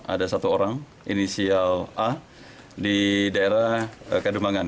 ada satu orang inisial a di daerah kedung bangan